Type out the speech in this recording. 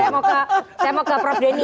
saya mau ke prof denny